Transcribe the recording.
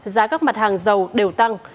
giá các mặt hàng dầu đều tăng